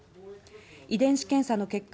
遺伝子検査の結果